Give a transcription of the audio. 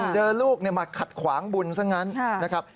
เจอลูกมาขัดขวางบุญซะงั้นนะครับ